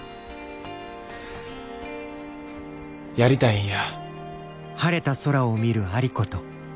やりたいんや。